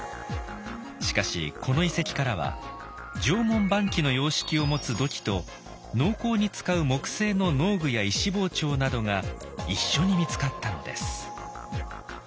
しかしこの遺跡からは縄文晩期の様式を持つ土器と農耕に使う木製の農具や石包丁などが一緒に見つかったのです。